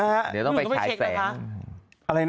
อันนั้นไง